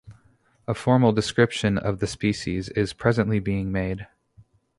A formal description of the species is presently being made.